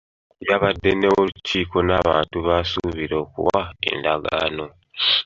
Yabadde n'olukiiko n'abantu b'asuubira okuwa endagaano.